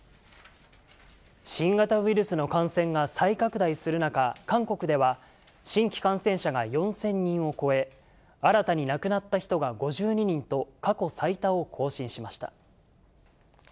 新型ウイルスの感染が再拡大する中、韓国では、新規感染者が４０００人を超え、新たに亡くなった人が５２人と、過去最多を更新しました。